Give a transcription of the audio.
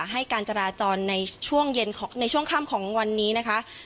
ให้การจราจรในช่วงเย็นในช่วงค่ำของวันนี้นะคะ